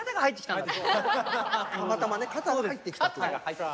たまたまね肩が入ってきたという。